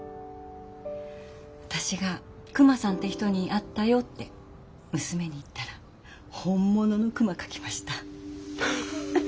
私がクマさんって人に会ったよって娘に言ったら本物のクマ描きました。